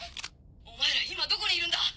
お前ら今どこにいるんだ！